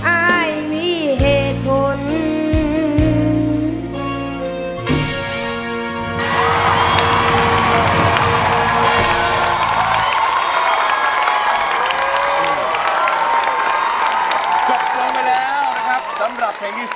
อายมีเหตุผล